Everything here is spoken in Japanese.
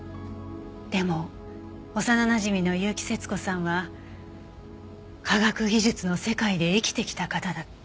でも幼なじみの結城節子さんは科学技術の世界で生きてきた方だった。